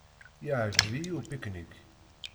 Iɛǧeb-iyi upiknik.